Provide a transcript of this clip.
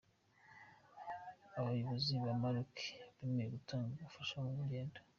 Abayobozi ba Maroc bemeye gutanga ubufasha mu ngendo.